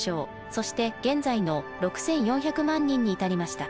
そして現在の６，４００万人に至りました。